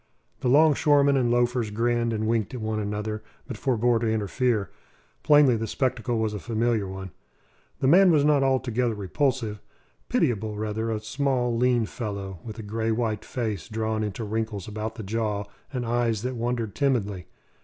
The 'longshoremen and loafers grinned and winked at one another, but forbore to interfere. Plainly the spectacle was a familiar one. The man was not altogether repulsive; pitiable, rather; a small, lean fellow, with a grey white face drawn into wrinkles about the jaw, and eyes that wandered timidly.